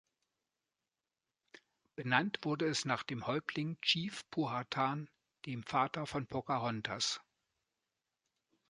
Benannt wurde es nach dem Häuptling Chief Powhatan, dem Vater von Pocahontas.